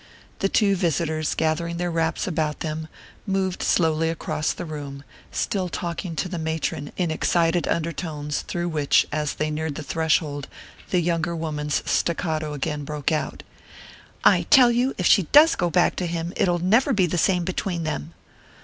The two visitors, gathering their wraps about them, moved slowly across the room, still talking to the matron in excited undertones, through which, as they neared the threshold, the younger woman's staccato again broke out. "I tell you, if she does go back to him, it'll never be the same between them!"